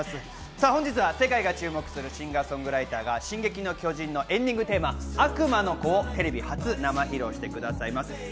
本日は世界が注目するシンガー・ソングライターが『進撃の巨人』のエンディングテーマ『悪魔の子』をテレビ初生披露してくださいます。